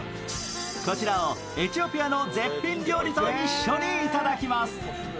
こちらをエチオピアの絶品料理と一緒に頂きます。